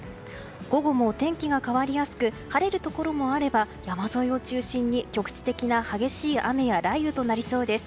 午後も天気が変わりやすく晴れるところもあれば山沿いを中心に局地的な激しい雨や雷雨となりそうです。